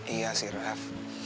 iya sih rev